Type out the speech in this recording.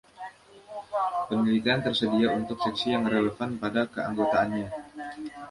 Penelitian tersedia untuk seksi yang relevan pada keanggotaannya.